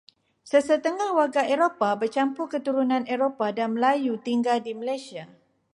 Sesetengah warga Eropah bercampur keturunan Eropah dan Melayu tinggal di Malaysia.